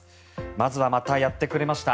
まずはまたやってくれました。